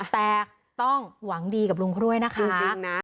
แต่ต้องหวังดีกับลุงกล้วยนะคะ